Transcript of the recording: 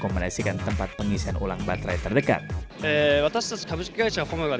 kondisi baterai sehingga dapat dipantau berapa kapasitasnya